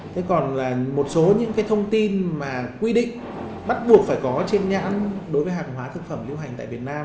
thế còn một số những cái thông tin mà quy định bắt buộc phải có trên nhãn đối với hàng hóa thực phẩm lưu hành tại việt nam